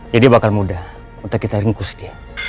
jadi bakal mudah untuk kita ringkus dia